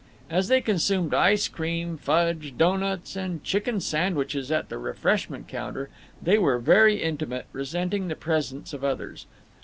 As they consumed ice cream, fudge, doughnuts, and chicken sandwiches at the refreshment counter they were very intimate, resenting the presence of others.